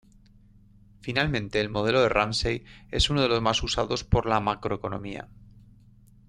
Finalmente, el modelo de Ramsey es uno de los más usados por la macroeconomía.